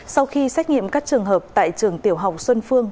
sau khi xét nghiệm các trường hợp tại trường tiểu học xuân phương